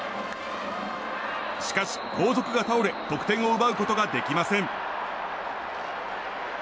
しかし、後続が倒れ得点を奪うことができません。